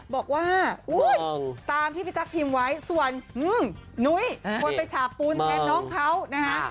บอกว่าตามที่พี่ตั๊กพิมพ์ไว้ส่วนนุ้ยคนไปฉาบปูนแทนน้องเขานะฮะ